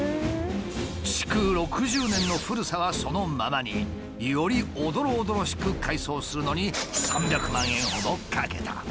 築６０年の古さはそのままによりおどろおどろしく改装するのに３００万円ほどかけた。